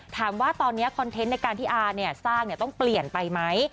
ถามว่าตอนนี้คอนเทนต์ในการที่อาสร้างต้องเปลี่ยนไปไหม